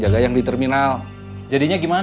jadi orang yang di genuinely mantap untuk teman suku sendiri